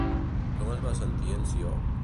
Com es va sentir en Ció?